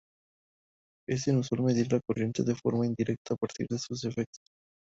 Es usual medir la corriente de forma indirecta a partir de sus efectos.